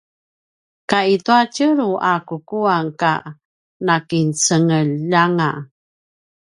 ka i tua tjelu a kukuan ka nakincengeljanga